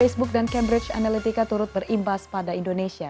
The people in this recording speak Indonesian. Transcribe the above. facebook dan cambridge analytica turut berimbas pada indonesia